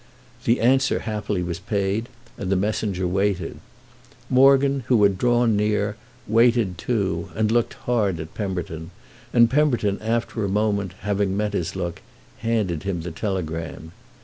The answer happily was paid and the messenger waited. Morgan, who had drawn near, waited too and looked hard at Pemberton; and Pemberton, after a moment, having met his look, handed him the telegram.